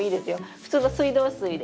普通の水道水で。